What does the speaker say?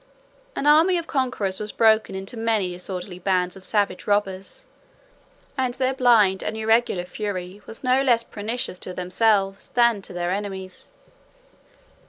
An army of conquerors was broken into many disorderly bands of savage robbers; and their blind and irregular fury was not less pernicious to themselves, than to their enemies.